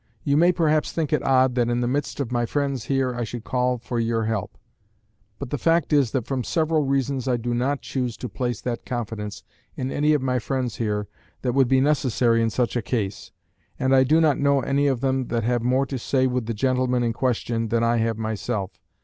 You may perhaps think it odd that in the midst of my friends here I should call for your help; but the fact is that from several reasons I do not choose to place that confidence in any of my friends here that would be necessary in such a case, and I do not know any of them that have more to say with the gentleman in question than I have myself.